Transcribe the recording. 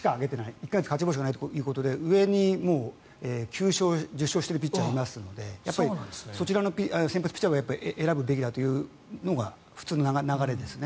１か月勝ち星がないということで上に９勝、１０勝しているピッチャーがいますのでそちらの先発ピッチャーを選ぶべきだというのが普通の流れですね。